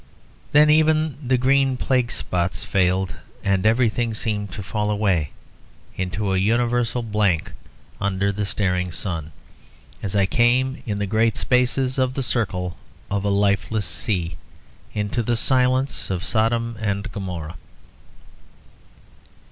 Then even the green plague spots failed, and everything seemed to fall away into a universal blank under the staring sun, as I came, in the great spaces of the circle of a lifeless sea, into the silence of Sodom and Gomorrah.